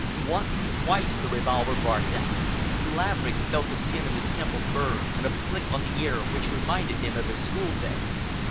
Once, twice, the revolver barked out. Laverick felt the skin of his temple burn and a flick on the ear which reminded him of his school days.